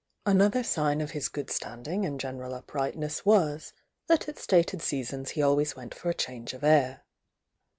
Another sign of his good standing and gen eral uprightness was, that at stated seasons he al ways went for a change of air.